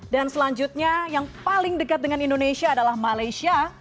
dan selanjutnya yang paling dekat dengan indonesia adalah malaysia